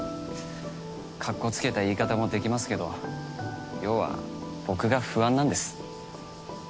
かっこつけた言い方もできますけど要は僕が不安なんです。